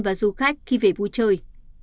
và du khách khi về vui chơi